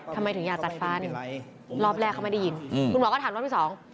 เขาไม่ได้ยินคุณหมอก็ถามว่าพี่สอง